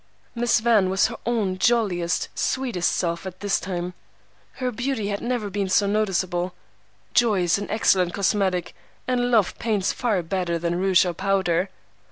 Miss Van was her own jolliest, sweetest self at this time. Her beauty had never been so noticeable: joy is an excellent cosmetic, and love paints far better than rouge or powder.